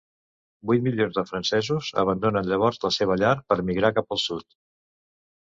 Vuit milions de Francesos abandonen llavors la seva llar per migrar cap al sud.